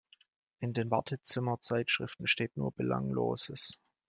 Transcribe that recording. In den Wartezimmer-Zeitschriften steht nur Belangloses.